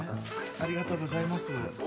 ありがとうございます。